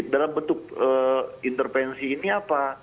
dalam bentuk intervensi ini apa